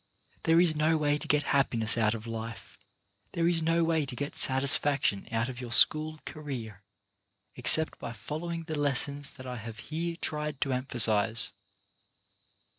There is no way to get happiness out of life, there is no way to get satisfaction out of your school career, except by following the lessons that I have here tried to emphasize.